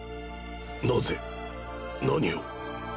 なぜ何を。